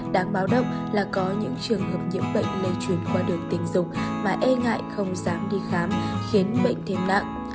đáng báo động là có những trường hợp nhiễm bệnh lây truyền qua đường tình dục mà e ngại không dám đi khám khiến bệnh thêm nặng